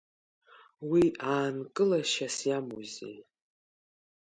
Уи аанкылашьас иамоузеи?